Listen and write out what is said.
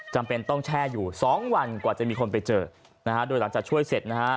จำเป็นต้องแช่อยู่สองวันกว่าจะมีคนไปเจอนะฮะโดยหลังจากช่วยเสร็จนะฮะ